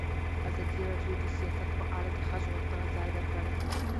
ازادي راډیو د سیاست په اړه د ښځو غږ ته ځای ورکړی.